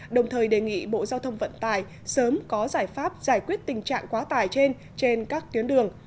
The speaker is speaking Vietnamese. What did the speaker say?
đồng thời đề nghị bộ giao thông vận tài sớm có giải pháp giải quyết tình trạng quá tài trên các tuyến đường